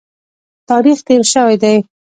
تاریخ تېر شوی دی.